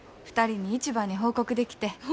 ２人に一番に報告できて。